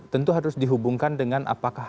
tentu harus dihubungkan dengan apakah